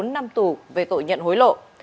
bốn năm tù về tội nhận hối lộ